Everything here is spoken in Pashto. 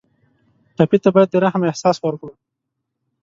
ټپي ته باید د رحم احساس ورکړو.